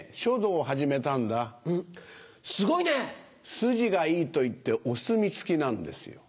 筋がいいといってお墨付きなんですよ。